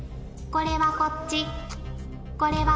これはこっち。